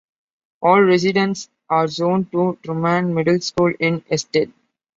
All residents are zoned to Truman Middle School in Estelle.